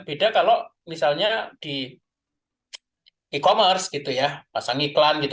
beda kalau misalnya di e commerce gitu ya pasang iklan gitu